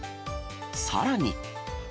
さらに。